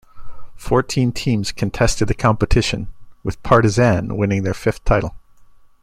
Fourteen teams contested the competition, with Partizan winning their fifth title.